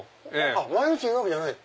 毎日いるわけじゃない？